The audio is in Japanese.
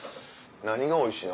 何がおいしいの？